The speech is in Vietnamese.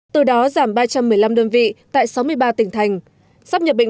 từ đó giảm ba trăm một mươi năm đơn vị tại sáu mươi ba tỉnh thành